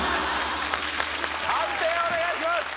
判定をお願いします！